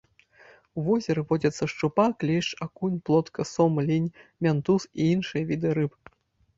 У возеры водзяцца шчупак, лешч, акунь, плотка, сом, лінь, мянтуз і іншыя віды рыб.